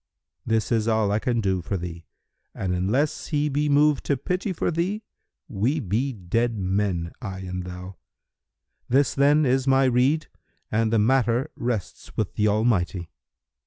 This is all I can do for thee; and unless he be moved to pity for thee, we be dead men, I and thou. This then is my rede and the matter rests with the Almighty."